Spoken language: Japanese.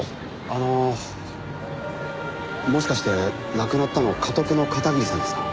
あのもしかして亡くなったのかとくの片桐さんですか？